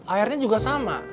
airnya juga sama